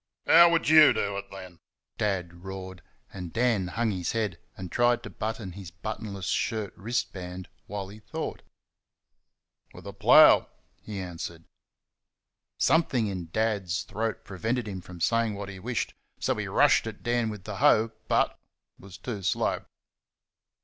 "How would you do it then?" Dad roared, and Dan hung his head and tried to button his buttonless shirt wrist band while he thought. "With a plough," he answered. Something in Dad's throat prevented him saying what he wished, so he rushed at Dan with the hoe, but was too slow.